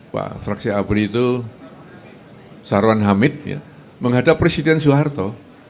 pak fraksi abri itu sarwan hamid menghadap presiden soeharto